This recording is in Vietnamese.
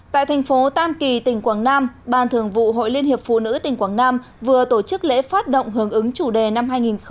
tại thành phố tam kỳ tỉnh quảng nam ban thường vụ hội liên hiệp phụ nữ tỉnh quảng nam vừa tổ chức lễ phát động hướng ứng chủ đề năm hai nghìn một mươi chín